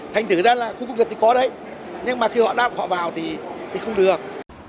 thành thử ra là khu công nghiệp thì có đấy nhưng mà khi họ náp họ vào thì không được